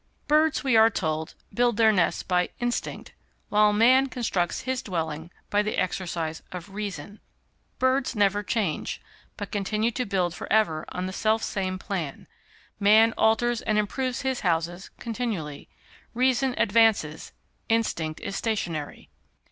_ Birds, we are told, build their nests by instinct, while man constructs his dwelling by the exercise of reason. Birds never change, but continue to build for ever on the self same plan; man alters and improves his houses continually. Reason advances; instinct is stationary.